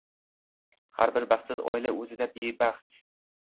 “har bir baxtsiz oila o‘zicha bebaxt”